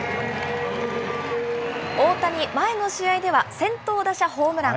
大谷、前の試合では先頭打者ホームラン。